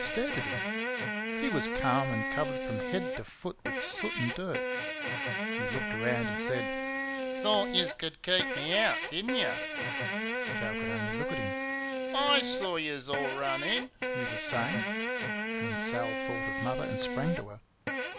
Sal stared at him. He was calm and covered from head to foot with soot and dirt. He looked round and said, "Thought yuz could keep me out, did'n'y'?" Sal could only look at him. "I saw yuz all run in," he was saying, when Sal thought of Mother, and sprang to her.